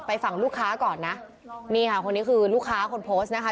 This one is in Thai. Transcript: ฝั่งลูกค้าก่อนนะนี่ค่ะคนนี้คือลูกค้าคนโพสต์นะคะ